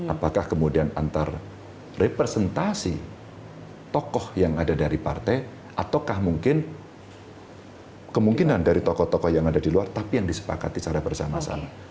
apakah kemudian antar representasi tokoh yang ada dari partai ataukah mungkin kemungkinan dari tokoh tokoh yang ada di luar tapi yang disepakati secara bersama sama